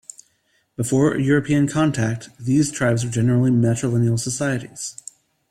Before European contact these tribes were generally matrilineal societies.